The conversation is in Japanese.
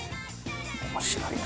面白いな。